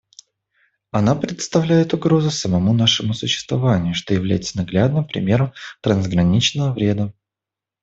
Она представляет угрозу самому нашему существованию, что является наглядным примером трансграничного вреда.